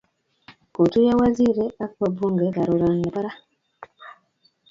kotuyo waziri ak wabungekariron nepo raa